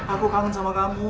aku kangen sama kamu